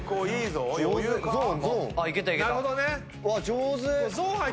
上手！